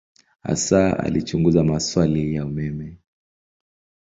Hasa alichunguza maswali ya umeme.